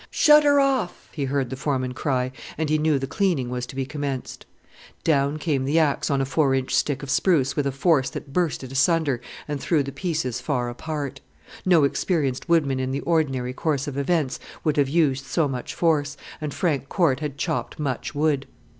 "Shut her off," he heard the foreman cry, and he knew the cleaning was to be commenced. Down came the axe on a four inch stick of spruce with a force that burst it asunder and threw the pieces far apart. No experienced woodman in the ordinary course of events would have used so much force, and Frank Corte had chopped much wood.